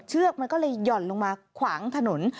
เชือกมันก็เลยห่อนลงมาขวางถนน